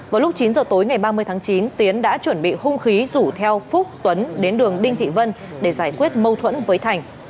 vào lúc chín giờ tối ngày ba mươi tháng chín tiến đã chuẩn bị hung khí rủ theo phúc tuấn đến đường đinh thị vân để giải quyết mâu thuẫn với thành